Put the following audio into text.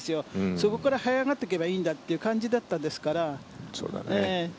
そこからはい上がっていけばいいんだという感じでしたから。